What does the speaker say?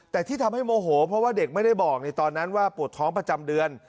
แต่ที่ทำให้โมโหเพราะว่าเด็กไม่ได้บอกในตอนนั้นว่าปวดท้องประจำเดือน